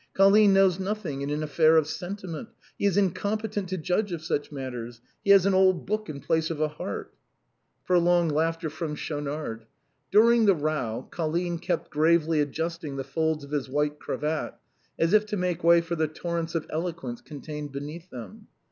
" Colline knows nothing in an affair of sentiment ; he is incompetent to judge of such matters ; he has an old book in place of a heart." Prolonged laughter from Schaunard. During the row, Colline kept gravely adjusting the folds of his white cravat as if to make way for the torrents of eloquence contained beneath them.